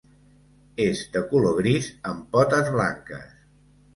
És de color gris, amb potes blanques.